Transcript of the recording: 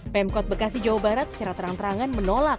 pemkot bekasi jawa barat secara terang terangan menolak